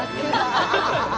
ハハハ。